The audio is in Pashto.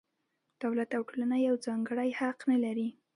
دولت او ټولنه یو ځانګړی حق نه لري.